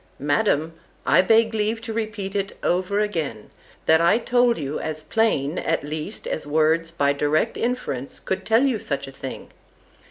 —Madam, I beg leave to repeat it over again, that I told you as plain, at least, as words, by direct inference, could tell you such a thing.